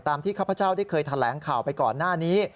ที่ข้าพเจ้าได้เคยแถลงข่าวไปก่อนหน้านี้